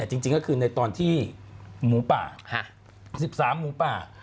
จริงก็คือในตอนที่๑๓หมูป่า